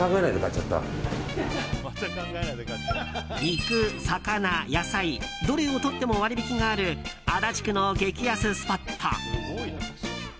肉、魚、野菜どれを取っても割引がある足立区の激安スポット。